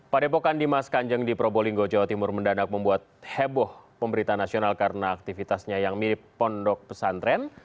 padepokan dimas kanjeng di probolinggo jawa timur mendadak membuat heboh pemberita nasional karena aktivitasnya yang mirip pondok pesantren